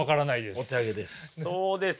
お手上げです。